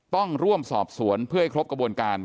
ต้องร่วมสอบสวนเพื่อให้ครบกระบวนการ